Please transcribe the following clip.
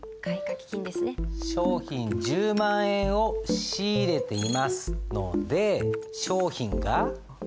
商品１０万円を仕入れていますので商品が増える。